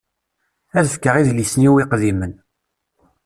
Ad fkeɣ idlisen-iw iqdimen.